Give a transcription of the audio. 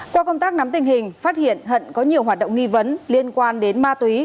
qua công tác nắm tình hình phát hiện hận có nhiều hoạt động nghi vấn liên quan đến ma túy